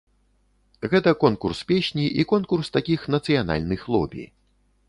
Гэта конкурс песні і конкурс такіх нацыянальных лобі.